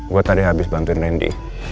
gue tadi habis bantuin rendy